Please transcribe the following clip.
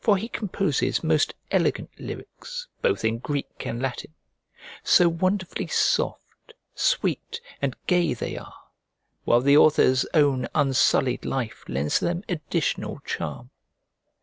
For he composes most elegant lyrics both in Greek and Latin. So wonderfully soft, sweet, and gay they are, while the author's own unsullied life lends them additional charm.